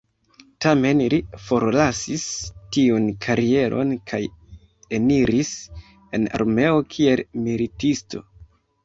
Tamen li forlasis tiun karieron kaj eniris en armeo kiel militisto.